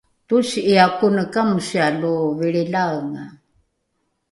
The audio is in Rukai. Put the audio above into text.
tosi’ia kone kamosia lo vilrilaenga